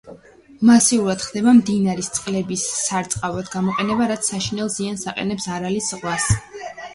მასიურად ხდება მდინარის წყლების სარწყავად გამოყენება, რაც საშინელ ზიანს აყენებს არალის ზღვას.